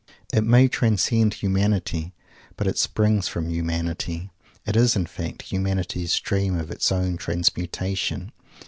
It may transcend humanity, but it springs from humanity. It is, in fact, humanity's dream of its own transmutation.